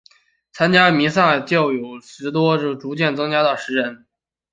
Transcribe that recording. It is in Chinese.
参加弥撒的教友从十多人逐渐增加到数十人。